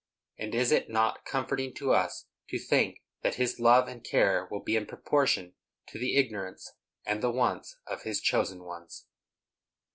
And is it not comforting to us to think that His love and care will be in proportion to the ignorance and the wants of His chosen ones?